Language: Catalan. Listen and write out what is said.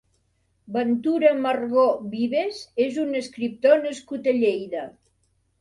Ventura Margó Vives és un escriptor nascut a Lleida.